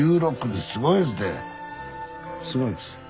すごいですね。